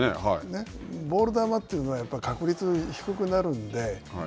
ボール球というのはやっぱり確率が低くなるので。